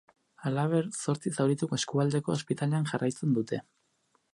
Halaber, zortzi zaurituk eskualdeko ospitalean jarraitzen dute.